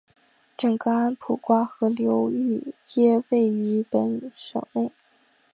整个安普瓜河流域皆位于本县内。